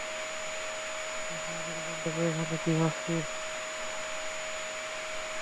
কখনো তুমি জানতে চেয়েছ আমি কি ভাবছি।